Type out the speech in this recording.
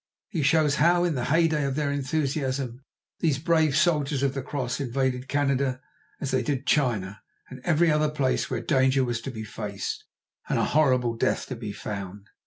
He shows how in the heyday of their enthusiasm these brave soldiers of the Cross invaded Canada as they did China and every other place where danger was to be faced, and a horrible death to be found.